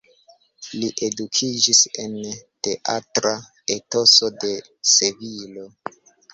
Li edukiĝis en teatra etoso de Sevilo.